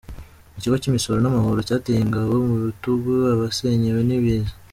Ikigo cy’Imisoro n’Amahoro cyateye ingabo mu bitugu abasenyewe n’ibiza